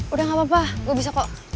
udah gak apa apa gue bisa kok